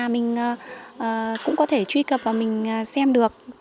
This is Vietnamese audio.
mình cũng có thể truy cập và mình xem được